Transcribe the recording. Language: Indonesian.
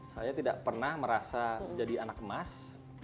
saya tidak pernah merasa jadi anak emas